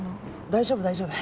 大丈夫大丈夫！